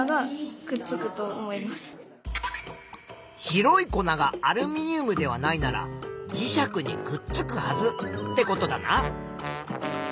白い粉がアルミニウムではないなら磁石にくっつくはずってことだな。